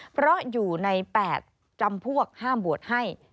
เพราะอยู่ใน๘จำพวกห้ามบวชให้